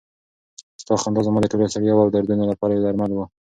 ستا خندا زما د ټولو ستړیاوو او دردونو لپاره یو درمل و.